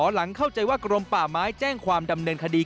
หลังเข้าใจว่ากรมป่าไม้แจ้งความดำเนินคดี